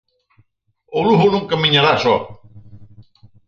O Lugo non camiñará só.